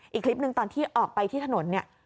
อีกคลิปหนึ่งตอนที่ออกไปที่ถนนเนี่ย